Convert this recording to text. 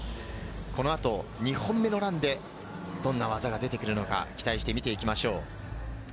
この後、２本目のランでどんな技が出てくるのか、期待して見ていきましょう。